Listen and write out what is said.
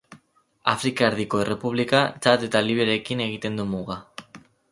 Afrika Erdiko Errepublika, Txad eta Libiarekin egiten du muga.